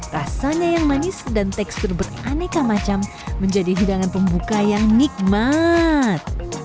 rasanya yang manis dan tekstur beraneka macam menjadi hidangan pembuka yang nikmat